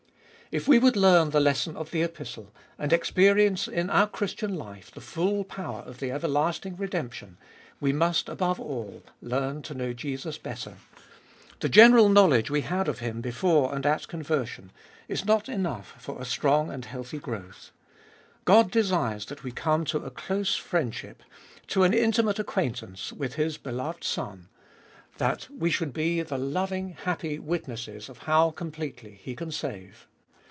If we would learn the lesson of the Epistle, and experience in our Christian life the full power of the everlasting redemp tion, we must above all learn to know Jesus better. The general 54 TTbe Iboliest of Bit knowledge we had of Him before and at conversion is not enough for a strong and healthy growth. God desires that we come to a close friendship, to an intimate acquaintance, with His beloved Son, that we should be the loving, happy witnesses of how completely He can save.